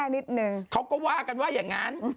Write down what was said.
นิดนึงเขาก็ว่ากันว่าอย่างนั้น